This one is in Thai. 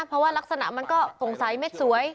เพราะว่ารักษณะมันก็สงสัยเม็ดสวย